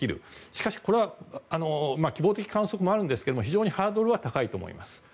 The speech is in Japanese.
しかしこれは希望的観測もあるんですが非常にハードルは高いと思います。